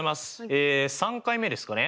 え３回目ですかね。